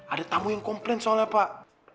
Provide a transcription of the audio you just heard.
ada tamu yang komplain soalnya pak